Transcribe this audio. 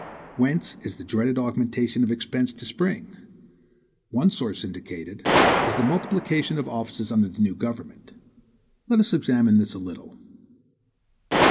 Whence is the dreaded augmentation of expense to spring? One source indicated, is the multiplication of offices under the new government. Let us examine this a little.